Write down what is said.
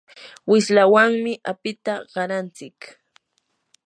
wishlawanmi apita qarantsik.